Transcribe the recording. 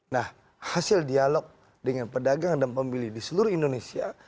nah hasil dialog dengan pedagang dan pembeli di seluruh indonesia